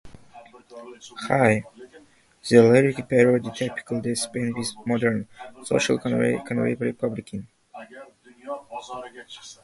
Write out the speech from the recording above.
The lyrics parody a typical day spent with a modern, socially conservative Republican.